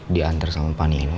dianter sama panino